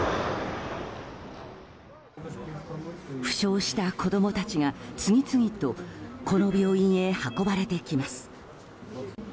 負傷した子供たちが次々とこの病院へ運ばれてきます。